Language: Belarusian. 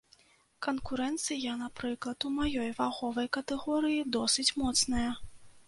Канкурэнцыя, напрыклад, у маёй вагавой катэгорыі, досыць моцная.